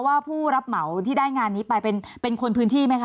ผู้รับเหมาที่ได้งานนี้ไปเป็นคนพื้นที่ไหมคะ